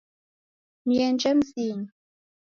Nienje mzinyi